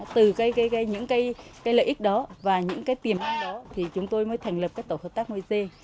từ những cái lợi ích đó và những cái tiềm năng đó thì chúng tôi mới thành lập cái tổ hợp tác nuôi dê